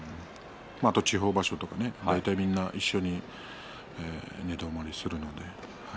地方場所とかは大体みんな一緒に寝泊まりするので。